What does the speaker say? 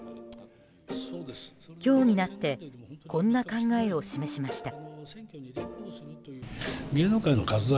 今日になってこんな考えを示しました。